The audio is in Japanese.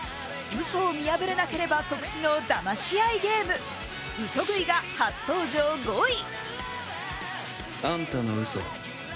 うそを見破れなければ即死のだまし合いゲーム、「嘘喰い」が初登場５位。